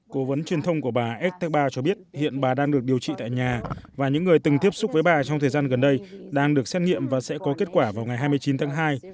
cố vấn truyền thông của bà etteba cho biết hiện bà đang được điều trị tại nhà và những người từng tiếp xúc với bà trong thời gian gần đây đang được xét nghiệm và sẽ có kết quả vào ngày hai mươi chín tháng hai